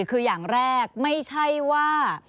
คืออย่างแรกไม่ใช่ว่า